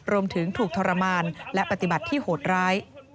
รวมถึงถูกทรมานและปฏิบัติที่โหดร้าย